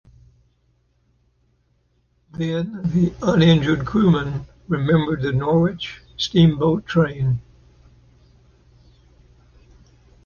Then the uninjured crewmen remembered the Norwich Steamboat Train.